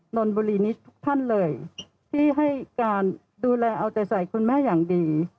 นนบุรีนี้ทุกท่านเลยที่ให้การดูแลเอาใจใส่คุณแม่อย่างดี